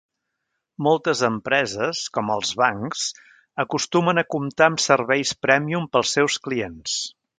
Moltes empreses, com els bancs, acostumen a comptar amb serveis prèmium per als seus clients.